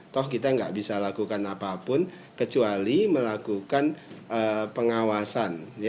toh kita nggak bisa lakukan apapun kecuali melakukan pengawasan